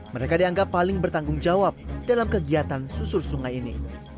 mereka dianggap paling bertanggung jawab dalam kegiatan susur sungai ini